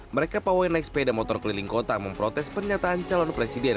mereka pawai naik sepeda motor keliling kota memprotes pernyataan calon presiden